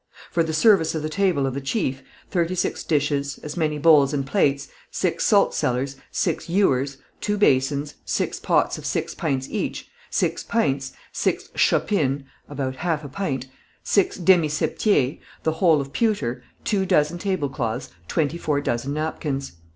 ] "For the service of the table of the chief: Thirty six dishes, as many bowls and plates, six saltcellars, six ewers, two basins, six pots of six pints each, six pints, six chopines [about half a pint] six demy septiers, the whole of pewter, two dozen table cloths, twenty four dozen napkins.